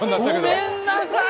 ごめんなさい